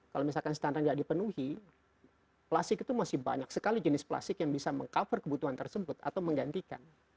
kalau misalkan standar nggak dipenuhi plastik itu masih banyak sekali jenis plastik yang bisa meng cover kebutuhan tersebut atau menggantikan